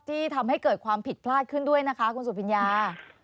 ที่ทำให้เกิดความผิดพลาดขึ้นด้วยนะคะคุณสุพิญญา